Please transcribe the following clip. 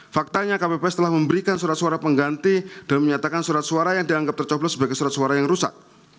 faktanya kpps telah memberikan surat suara pengganti dan menyatakan surat suara yang dianggap tercoblos sebagai surat suara yang rusak